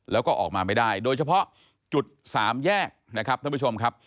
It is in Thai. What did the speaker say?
แล้วก็ออกมาไม่ได้โดยเฉพาะจุดสามแยกนะครับท่านผู้ชมครับ